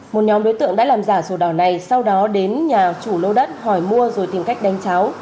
một nhóm đối tượng đã làm giả sổ đỏ này sau đó đến nhà chủ lô đất hỏi mua rồi tìm cách đánh cháu